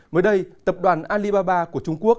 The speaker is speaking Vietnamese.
mới đây tập đoàn alibaba của trung quốc